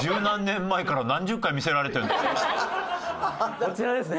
こちらですね